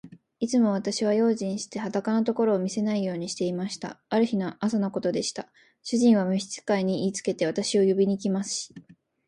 いつも私は用心して、裸のところを見せないようにしていました。ある朝のことでした。主人は召使に言いつけて、私を呼びに来ました。